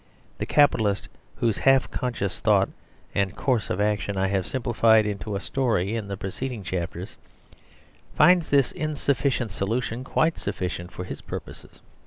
The capitalist whose half conscious thought and course of action I have simplified into a story in the preceding chapters, finds this insufficient solution quite sufficient for his purposes.